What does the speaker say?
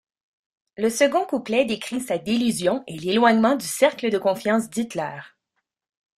Le second couplet décrit sa désillusion et l'éloignement du cercle de confiance d'Hitler.